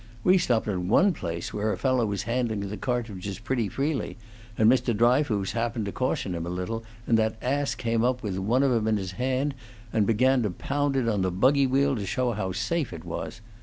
We stopped at one place where a fellow was handling the cartridges pretty freely, and Mr. Dryfoos happened to caution him a little, and that ass came up with one of 'em in his hand, and began to pound it on the buggy wheel to show us how safe it was.